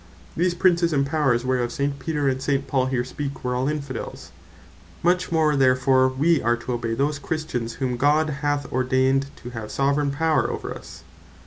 These Princes, and Powers, whereof St. Peter, and St. Paul here speak, were all Infidels; much more therefore we are to obey those Christians, whom God hath ordained to have Soveraign Power over us.